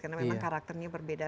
karena memang karakternya berbeda